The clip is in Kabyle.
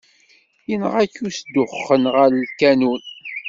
Yenɣa-k usduxxen ɣer lkanun!